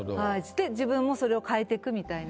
で自分もそれを変えてくみたいな。